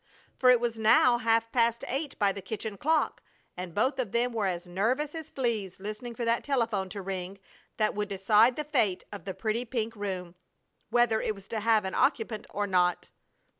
For it was now half past eight by the kitchen clock, and both of them were as nervous as fleas listening for that telephone to ring that would decide the fate of the pretty pink room, whether it was to have an occupant or not.